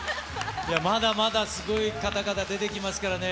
まだまだすごい方々出てきますからね。